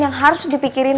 yang harus dipikirin